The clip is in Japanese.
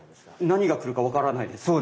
何が来るか分からないですよね？